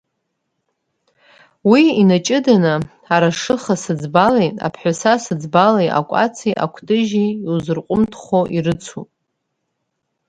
Уи инаҷыданы арашыха сыӡбали аԥҳәасасыӡбали акәаци акәтыжьи иузырҟәымҭхо ирыцуп.